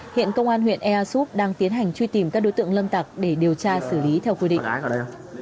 hiện công an huyện aesup đang tiến hành truy tìm các đối tượng lâm tập để điều tra xử lý theo quy định